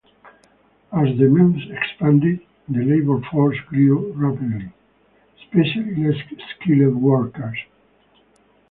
As the mills expanded the labor force grew rapidly, especially less skilled workers.